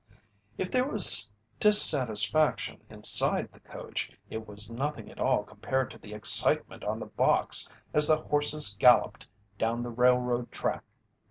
If there was dissatisfaction inside the coach it was nothing at all compared to the excitement on the box as the horses galloped down the railroad track.